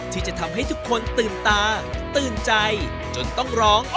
ที่จะทำให้ทุกคนตื่นตาตื่นใจจนต้องร้อง